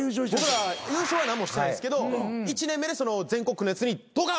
僕ら優勝は何もしてないですけど１年目で全国区のやつにドカーンって。